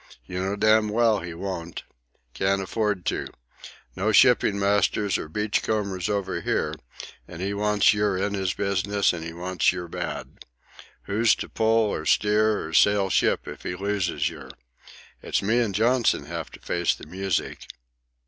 You know damn well he wont. Can't afford to. No shipping masters or beach combers over here, and he wants yer in his business, and he wants yer bad. Who's to pull or steer or sail ship if he loses yer? It's me and Johnson have to face the music.